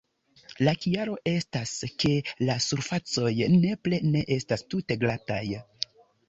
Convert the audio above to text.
La kialo estas, ke la surfacoj nepre ne estas tute glataj.